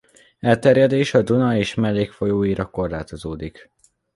Elterjedése a Duna és mellékfolyóira korlátozódik.